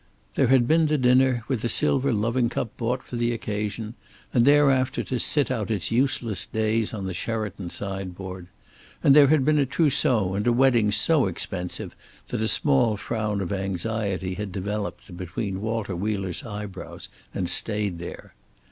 There had been the dinner, with a silver loving cup bought for the occasion, and thereafter to sit out its useless days on the Sheraton sideboard. And there had been a trousseau and a wedding so expensive that a small frown of anxiety had developed between Walter Wheeler's eyebrows and stayed there.